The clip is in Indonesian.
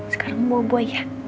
sekarang buah buah ya